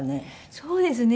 そうですね。